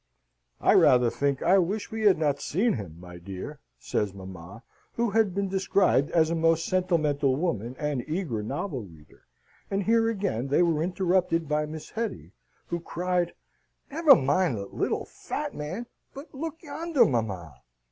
"I rather think I wish we had not seen him, my dear," says mamma, who has been described as a most sentimental woman and eager novel reader; and here again they were interrupted by Miss Hetty, who cried: "Never mind that little fat man, but look yonder, mamma."